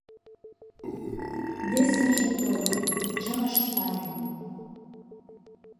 Весыже тольо — чывыштале.